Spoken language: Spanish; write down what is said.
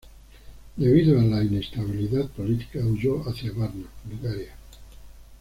Debido a la inestabilidad política, huyó hacia Varna, Bulgaria.